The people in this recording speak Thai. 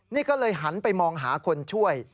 นี่ก็เลยหันไปมองหาคนช่วย